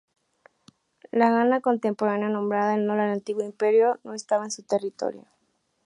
La Ghana contemporánea nombrada en honor al antiguo Imperio no estaba en su territorio.